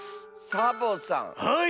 サボさんはい。